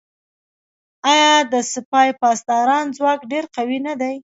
آیا د سپاه پاسداران ځواک ډیر قوي نه دی؟